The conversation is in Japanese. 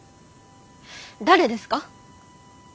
誰ですか？